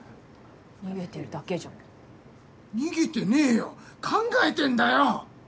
逃げてるだけじゃん逃げてねぇよ考えてんだよ